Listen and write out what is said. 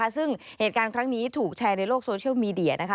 ซึ่งเหตุการณ์ครั้งนี้ถูกแชร์ในโลกโซเชียลมีเดียนะคะ